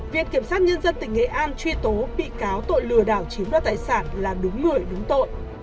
viện kiểm sát nhân dân tỉnh nghệ an truy tố bị cáo tội lừa đảo chiếm đoạt tài sản là đúng người đúng tội